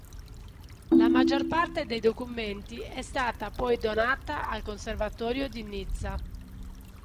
La maggior parte dei documenti è stata poi donata al Conservatorio di Nizza.